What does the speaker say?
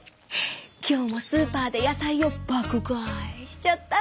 今日もスーパーで野菜を「爆買い」しちゃった！